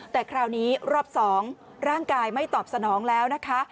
แต่คราวนี้รอบ๒ร่างกายไม่ตอบสนองแล้วนะคะ